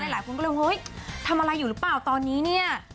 หลายคนก็เลยเฮ้ยทำอะไรอยู่หรือเปล่าตอนนี้เนี่ย